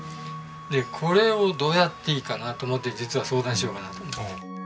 でこれをどうやっていいかなと思って実は相談しようかなと思って。